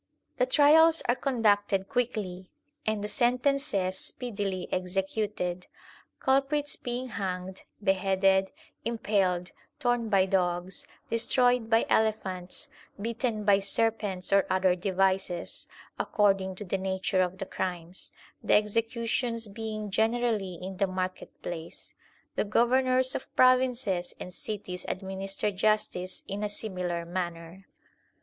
* The trials are conducted quickly, and the sentences speedily executed ; culprits being hanged, beheaded, im paled, torn by dogs, destroyed by elephants, bitten by serpents, or other devices, according to the nature of the crimes ; the executions being generally in the market place. The governors of provinces and cities administer justice in a similar manner.